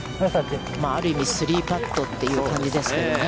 ある意味３パットという感じですけどね。